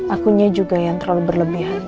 akunya juga yang terlalu berlebihan